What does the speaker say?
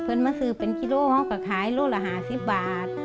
เพื่อนมาซื้อเป็นกี่โลกค่อยเหมาะสิบบาท